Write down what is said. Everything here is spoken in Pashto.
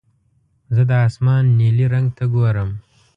زه د اسمان نیلي رنګ ته ګورم.